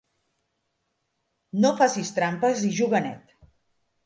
No facis trampes i juga net.